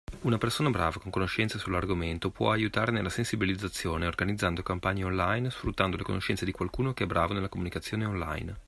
Una persona brava con conoscenze sull’argomento può aiutare nella sensibilizzazione organizzando campagne online sfruttando le conoscenze di qualcuno che è bravo nella comunicazione online.